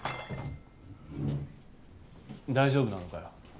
大丈夫なのかよ。